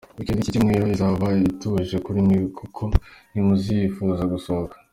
Weekend y’iki cyumweru, izaba ituje kuri mwe kuko nti muzifuza gusohoka.